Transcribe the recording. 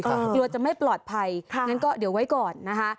กลัวจะไม่ปลอดภัยงั้นก็เดี๋ยวไว้ก่อนนะคะ